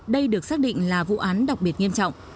đây được xác định là vụ án đặc biệt nghiêm trọng